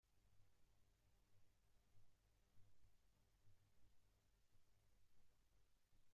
Muchos de estos fósiles se pueden encontrar en Italia, donde están bien conservados.